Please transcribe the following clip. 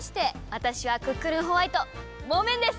わたしはクックルンホワイトモメンです！